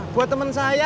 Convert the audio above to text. buat temen saya